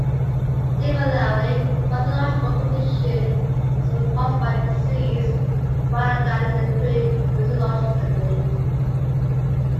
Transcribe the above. Similarly, a pathological condition is one caused by disease, rather than occurring physiologically.